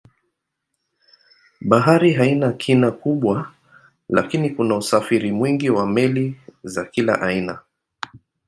Bahari haina kina kubwa lakini kuna usafiri mwingi wa meli za kila aina.